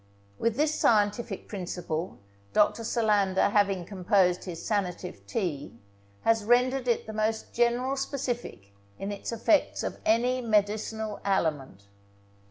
With this scientific principle Dr. Solander having composed his sanative tea, has rendered it the most general specific in its effects of any medicinal aliment.